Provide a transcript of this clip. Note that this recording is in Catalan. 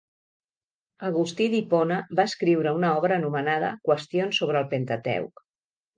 Agustí d'Hipona va escriure una obra anomenada "Qüestions sobre el Pentateuc".